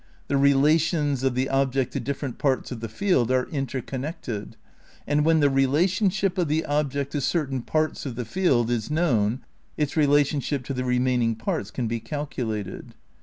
The relations of the object to different parts of the field are interconnected, and when the relationship of the object to cer tain parts of the field is known its relationship to the remaining parts can be calculated.